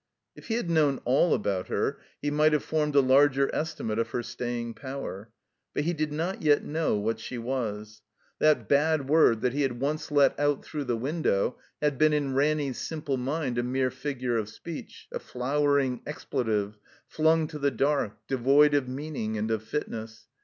If he had known all about her he might have formed a larger estimate of her staying power. But he did not yet know what she was. That bad word that he had once let out through the window had been in Ranny's simple mind a mere figure of speech, a flowering expletive, flung to the dark, devoid of meaning and of fitness.